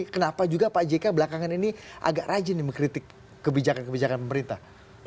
kenapa juga pak jk belakangan ini agak rajin mengkritik kebijakan kebijakan pemerintah